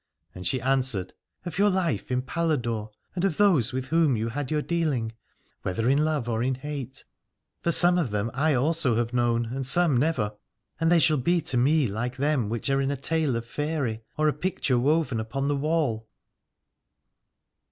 and she answered : Of your life in Paladore, and of those with whom you had your dealing, whether in love or in hate, for some of them I also have known and some never: and they shall be to me like them which are in a tale of faery, or a picture woven upon the wall.